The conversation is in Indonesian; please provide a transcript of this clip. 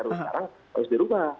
ruu sekarang harus dirubah